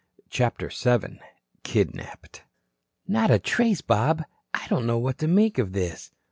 CHAPTER VII KIDNAPPED "Not a trace, Bob. I don't know what to make of this."